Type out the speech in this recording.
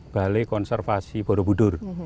balai konservasi borobudur